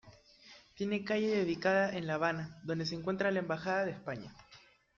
Tiene calle dedicada en La Habana, donde se encuentra la Embajada de España.